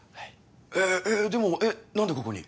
ええでもえっ何でここに？